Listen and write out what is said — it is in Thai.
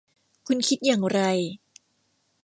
คุณคิดอย่างไร ?